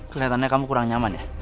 kelihatannya kamu kurang nyaman ya